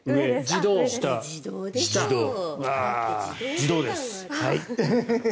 自動です。